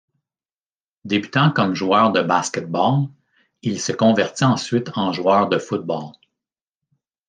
Débutant comme joueur de basket-ball, il se convertit ensuite en joueur de football.